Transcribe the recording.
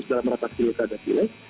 dalam rapat silikon dan bilik